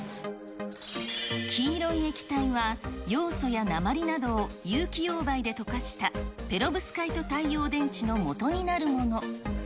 黄色い液体はヨウ素や鉛などを有機溶媒で溶かしたペロブスカイト太陽電池のもとになるもの。